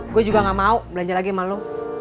gue juga nggak mau belanja lagi sama lo